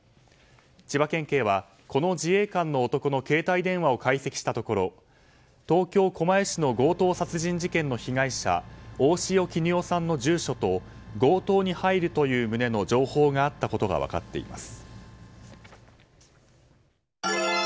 千葉県警はこの自衛官の男の携帯電話を解析したところ、東京・狛江市の強盗殺人事件の被害者大塩衣与さんの住所と強盗に入るという旨の情報があったことが分かっています。